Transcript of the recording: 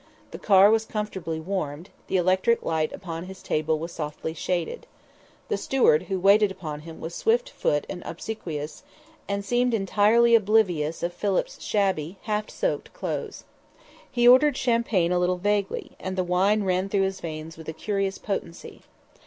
The car was comfortably warmed, the electric light upon his table was softly shaded. The steward who waited upon him was swift footed and obsequious, and seemed entirely oblivious of Philip's shabby, half soaked clothes. He ordered champagne a little vaguely, and the wine ran through his veins with a curious potency.